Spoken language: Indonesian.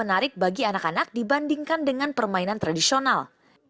menarik bagi anak anak dibandingkan dengan permainan tradisional